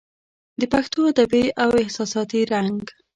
د پښتو ادبي او احساساتي رنګ